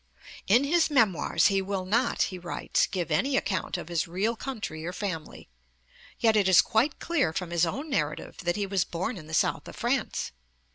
In his Memoirs he will not, he writes (p. 59), give any account 'of his real country or family.' Yet it is quite clear from his own narrative that he was born in the south of France.